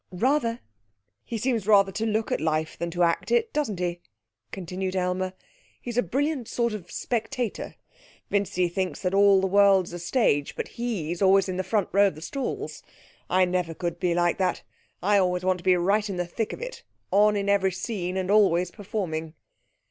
'Rather.' 'He seems rather to look at life than to act in it, doesn't he?' continued Aylmer. 'He's a brilliant sort of spectator. Vincy thinks that all the world's a stage, but he's always in the front row of the stalls. I never could be like that ... I always want to be right in the thick of it, on in every scene, and always performing!'